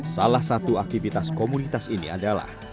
salah satu aktivitas komunitas ini adalah